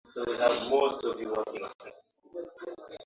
na Kiarabu hivyo huhitimisha kuwa hapana shaka